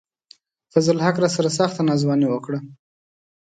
فضل الحق راسره سخته ناځواني راسره وڪړه